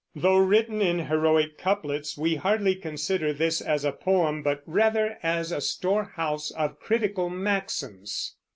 Though written in heroic couplets, we hardly consider this as a poem but rather as a storehouse of critical maxims.